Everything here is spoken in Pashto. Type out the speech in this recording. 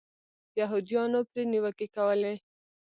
یهودیانو پرې نیوکې کولې.